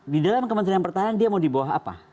di dalam kementerian pertahanan dia mau dibawah apa